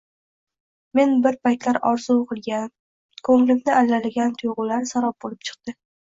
Men bir paytlar orzu qilgan, koʻnglimni allalagan tuygʻular sarob boʻlib chiqdi.